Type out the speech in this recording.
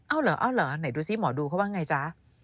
เอาเหรอเอาเหรอไหนดูสิหมอดูเขาว่าไงจ๊ะ